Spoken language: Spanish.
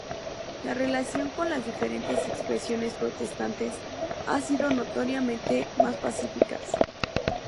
La relación con las diferentes expresiones protestantes ha sido, notoriamente, más pacíficas.